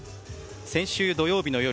先週土曜日の夜